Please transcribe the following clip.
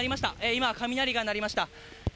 今、雷が鳴りました。